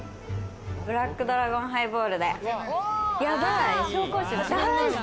ブラックドラゴンハイボールで。